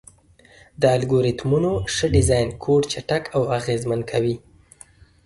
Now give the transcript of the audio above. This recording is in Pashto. د الګوریتمونو ښه ډیزاین کوډ چټک او اغېزمن کوي.